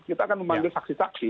kita akan memanggil saksi saksi